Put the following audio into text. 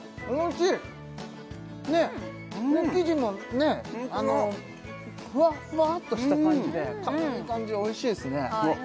ねっ生地もねふわふわっとした感じで軽い感じでおいしいですねあっ